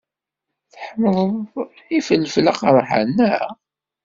Tḥemmleḍ ifelfel aqerḥan, naɣ?